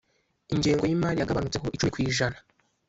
Ingengo yimari yagabanutseho icumi kwijana